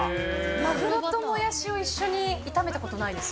マグロとモヤシを一緒に炒めたことないです。